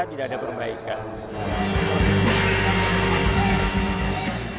tidak ada perbaikan